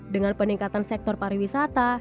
dengan peningkatan sektor pariwisata